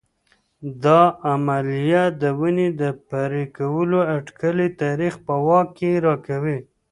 دا عملیه د ونې د پرې کولو اټکلي تاریخ په واک کې راکوي